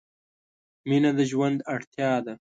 مینه د ژوند اړتیا ده.